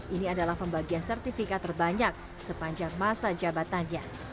ini adalah pembagian sertifikat terbanyak sepanjang masa jabatannya